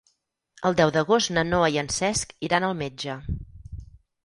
El deu d'agost na Noa i en Cesc iran al metge.